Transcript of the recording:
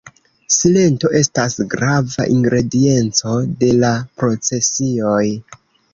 Silento estas grava ingredienco de la procesioj.